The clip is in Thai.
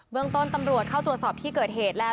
เมืองต้นตำรวจเข้าตรวจสอบที่เกิดเหตุแล้ว